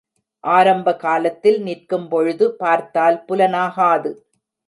ஆரம்ப காலத்தில் நிற்கும் பொழுது, பார்த்தால் புலனாகாது.